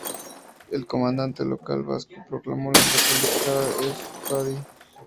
El comandante local vasco proclamó la "República de Euzkadi".